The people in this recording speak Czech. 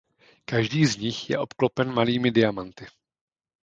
Každý z nich je obklopen malými diamanty.